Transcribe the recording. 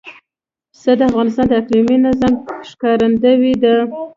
پسه د افغانستان د اقلیمي نظام ښکارندوی ده.